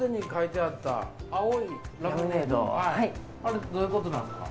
あれどういうことなんですか？